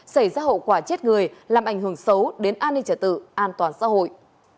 xảy ra hậu quả chết người làm ảnh hưởng xấu đến an ninh trả tự an toàn xã hội